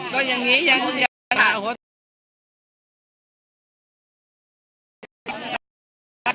ตอนยังงี้ยัง